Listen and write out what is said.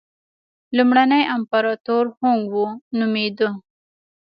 لومړنی امپراتور هونګ وو نومېده.